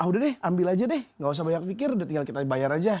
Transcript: ah udah deh ambil aja deh gak usah banyak pikir udah tinggal kita bayar aja